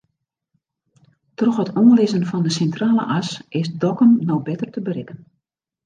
Troch it oanlizzen fan de Sintrale As is Dokkum no better te berikken.